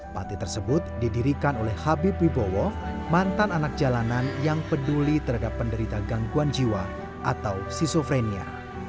pati tersebut didirikan oleh habib wibowo mantan anak jalanan yang peduli terhadap penderita gangguan jiwa atau skizofrenia